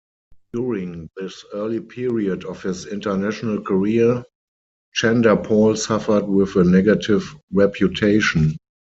During this early period of his international career, Chanderpaul suffered with a negative reputation.